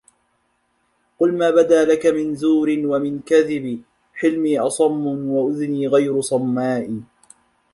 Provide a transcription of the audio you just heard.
قُلْ مَا بَدَا لَك مِنْ زُورٍ وَمِنْ كَذِبِ حِلْمِي أَصَمُّ وَأُذْنِي غَيْرُ صَمَّاءِ